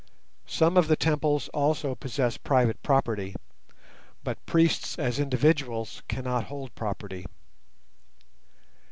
Some of the temples also possess private property, but priests as individuals cannot hold property.